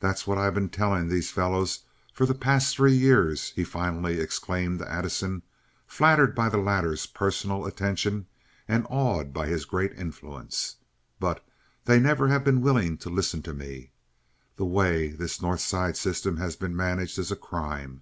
"That's what I've been telling these fellows for the past three years," he finally exclaimed to Addison, flattered by the latter's personal attention and awed by his great influence; "but they never have been willing to listen to me. The way this North Side system has been managed is a crime.